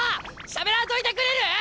しゃべらんといてくれる！？